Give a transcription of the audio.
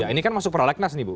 ini kan masuk prolegnas nih bu